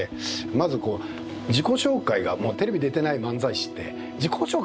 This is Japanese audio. まずこう自己紹介がもうテレビ出てない漫才師って自己紹介時間かかるんですよ。